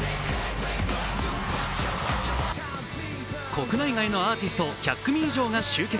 国内外のアーティスト１００組以上が集結。